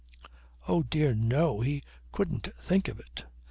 Oh dear no! He couldn't think of it!